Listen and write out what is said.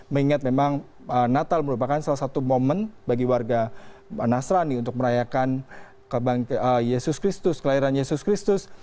mengingat memang natal merupakan salah satu momen bagi warga nasrani untuk merayakan yesus kristus kelahiran yesus kristus